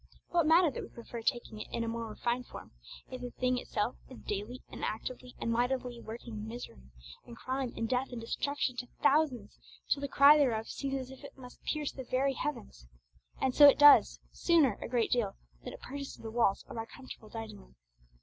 What matter that we prefer taking it in a more refined form, if the thing itself is daily and actively and mightily working misery, and crime, and death, and destruction to thousands, till the cry thereof seems as if it must pierce the very heavens! And so it does sooner, a great deal, than it pierces the walls of our comfortable dining room!